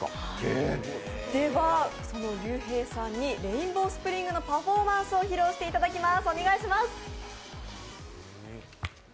そのＲＹＵＨＥＩさんにレインボースプリングのパフォーマンスを披露していただきます。